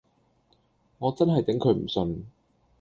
我真係頂佢唔順